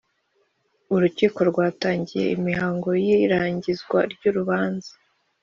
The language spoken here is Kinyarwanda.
Urukiko rwatangiye imihango y ‘irangizwa ry’urubanza.